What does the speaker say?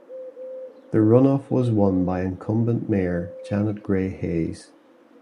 The runoff was won by incumbent mayor Janet Gray Hayes.